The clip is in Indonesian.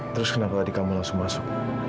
terus kenapa tadi kamu langsung masuk